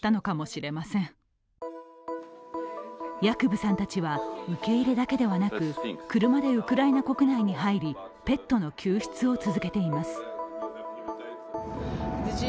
ヤクブさんたちは受け入れだけではなく、車でウクライナ国内に入りペットの救出を続けています。